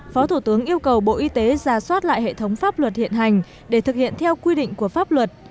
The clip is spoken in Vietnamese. phó thủ tướng yêu cầu bộ y tế ra soát lại hệ thống pháp luật hiện hành để thực hiện theo quy định của pháp luật